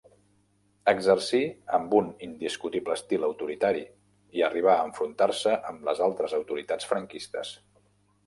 Exercí amb un indiscutible estil autoritari i arribà a enfrontar-se amb les altres autoritats franquistes.